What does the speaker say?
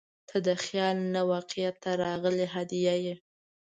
• ته د خیال نه واقعیت ته راغلې هدیه یې.